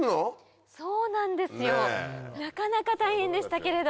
そうなんですよなかなか大変でしたけれども。